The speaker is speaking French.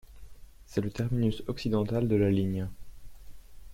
C'est le terminus occidental de la ligne.